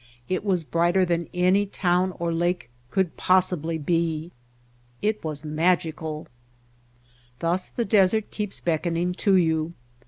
It was brighter than any town or lake could possibly be; it was magical. Thus the desert keeps beckoning to you.